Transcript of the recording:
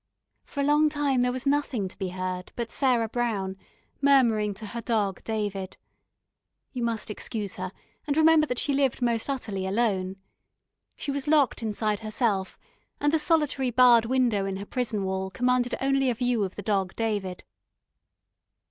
For a long time there was nothing to be heard but Sarah Brown, murmuring to her Dog David. You must excuse her, and remember that she lived most utterly alone. She was locked inside herself, and the solitary barred window in her prison wall commanded only a view of the Dog David.